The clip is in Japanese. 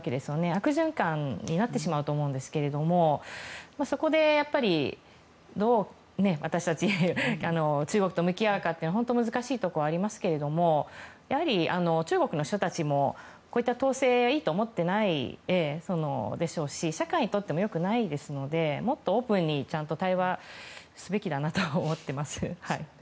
悪循環になってしまうと思うんですけれどもそこで、どう私たちが中国と向き合うか本当に難しいところがありますがやはり、中国の人たちもこういった統制はいいと思ってないでしょうし社会にとっても良くないですのでもっとオープンにちゃんと対話すべきだと思います。